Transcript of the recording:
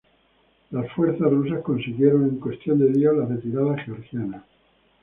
Las fuerzas rusas consiguieron en cuestión de días la retirada georgiana.